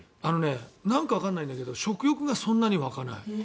なんかわからないんだけど食欲がそんなに湧かない。